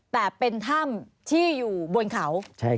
แต่เป็นถ้ำที่อยู่บนเขา